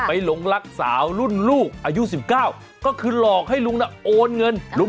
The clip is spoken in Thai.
ไปหลงรักสาวรุ่นลูกอายุสิบเก้าก็คือหลอกให้ลุงน่ะโอนเงินครับ